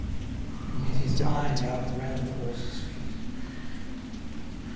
And yet his mind outran the horses' feet.